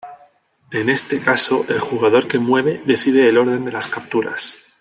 En este caso, el jugador que mueve decide el orden de las capturas.